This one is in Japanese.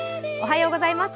おはようございます。